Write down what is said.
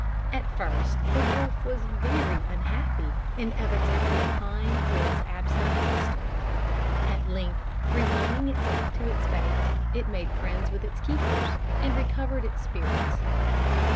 At first the wolf was very unhappy, and evidently pined for its absent master. At length, resigning itself to its fate, it made friends with its keepers; and recovered its spirits.